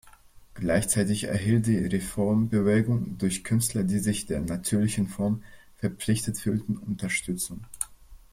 Gleichzeitig erhielt die Reformbewegung durch Künstler, die sich der „natürlichen Form“ verpflichtet fühlten, Unterstützung.